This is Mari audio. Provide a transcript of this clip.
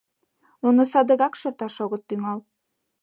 Нуно садыгак шорташ огыт тӱҥал.